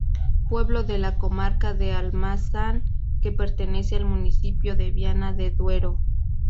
Pueblo de la Comarca de Almazán que pertenece al municipio de Viana de Duero.